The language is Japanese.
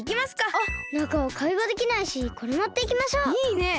あっなかはかいわできないしこれもっていきましょう。いいね！